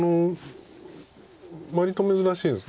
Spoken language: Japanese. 割と珍しいです。